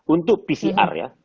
untuk pcr ya